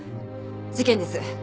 事件です。